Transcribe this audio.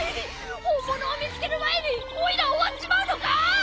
本物を見つける前においら終わっちまうのか！？